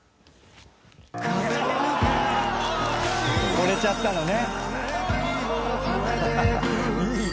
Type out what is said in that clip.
「ほれちゃったのね」